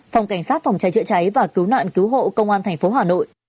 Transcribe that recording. phòng cảnh sát phòng cháy chữa cháy và cứu nạn cứu hộ công an tp hà nội